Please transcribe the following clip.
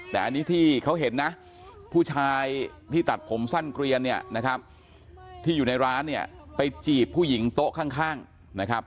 แต่อันนี้ที่เขาเห็นนะผู้ชายที่ตัดผมสั้นเกลียนเนี่ยนะครับที่อยู่ในร้านเนี่ยไปจีบผู้หญิงโต๊ะข้างนะครับ